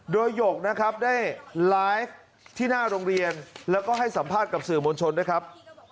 โดยหยกนะครับได้ไลฟ์ที่หน้าโรงเรียนแล้วก็ให้สัมภาษณ์กับสื่อมวลชนด้วยครับ